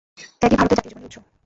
ত্যাগই ভারতের জাতীয় জীবনের উৎস।